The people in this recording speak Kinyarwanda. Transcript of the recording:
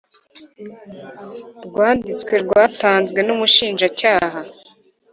Rwanditse rwatanzwe n umushinjacyaha